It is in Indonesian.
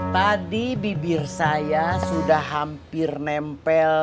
tadi bibir saya sudah hampir nempel